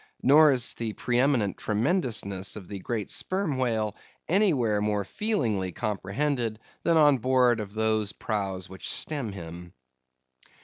Nor is the pre eminent tremendousness of the great Sperm Whale anywhere more feelingly comprehended, than on board of those prows which stem him.